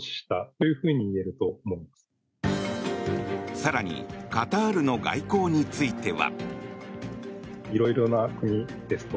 更にカタールの外交については。